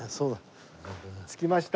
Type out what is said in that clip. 着きました。